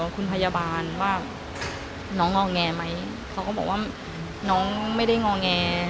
เขาก็บอกว่าน้องไม่ได้งอแงร์